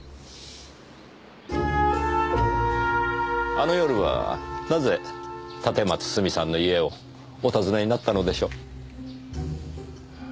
あの夜はなぜ立松スミさんの家をお訪ねになったのでしょう？